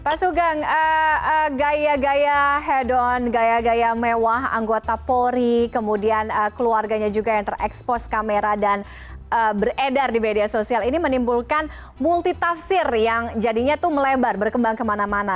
pak sugeng gaya gaya head on gaya gaya mewah anggota polri kemudian keluarganya juga yang terekspos kamera dan beredar di media sosial ini menimbulkan multitafsir yang jadinya tuh melebar berkembang kemana mana